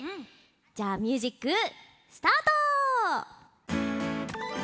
じゃあミュージックスタート！